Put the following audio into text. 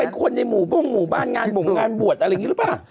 คนในหมู่บ้งหมู่บ้านงานบ่งงานบวชอะไรอย่างนี้หรือเปล่า